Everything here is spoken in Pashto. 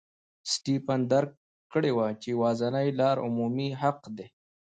سټېفن درک کړې وه چې یوازینۍ لار عمومي حق دی.